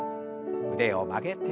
腕を曲げて。